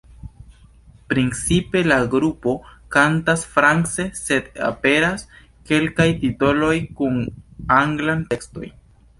Principe la grupo kantas france sed aperas kelkaj titoloj kun anglan tekstoj.